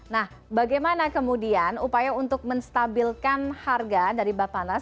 nah bagaimana kemudian upaya untuk menstabilkan harga dari bapak nas